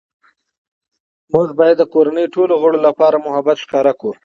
موږ باید د کورنۍ ټولو غړو لپاره محبت ښکاره کړو